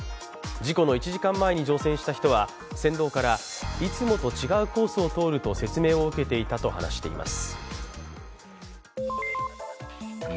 事故の１時間前に乗船した人は船頭からいつもと違うコースを通ると説明を受けていたと話しています。